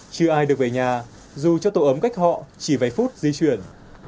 chưa ai được về nhà dù cho tổ ấm cách họ chỉ vài phút di chuyển